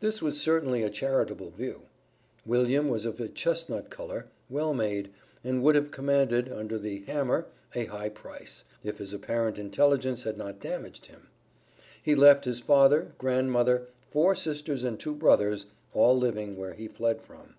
This was certainly a charitable view. William was of a chestnut color, well made, and would have commanded, under the "hammer," a high price, if his apparent intelligence had not damaged him. He left his father, grand mother, four sisters and two brothers, all living where he fled from.